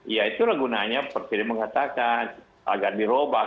ya itulah gunanya presiden mengatakan agar dirobah